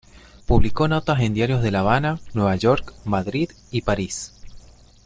Publicó notas en diarios de La Habana, Nueva York, Madrid y París.